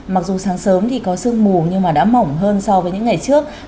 mặc dù sáng sớm thì có sương mù nhưng mà đã mỏng hơn so với những ngày trước